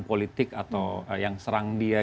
politik atau yang serang dia